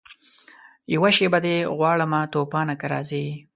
یوه شېبه دي غواړمه توپانه که راځې